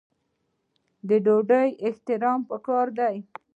د ډوډۍ احترام پکار دی.